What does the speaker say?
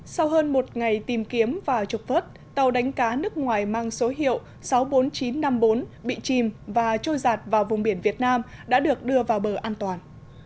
sau hơn một ngày tìm kiếm và trục vớt tàu đánh cá nước ngoài mang số hiệu sáu mươi bốn nghìn chín trăm năm mươi bốn bị chìm và trôi giạt vào vùng biển việt nam đã được đưa vào bờ an toàn